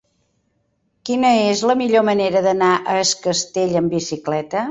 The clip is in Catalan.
Quina és la millor manera d'anar a Es Castell amb bicicleta?